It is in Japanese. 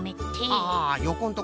ああよこんとこね。